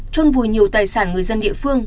trôn vùi nhiều tài sản người dân địa phương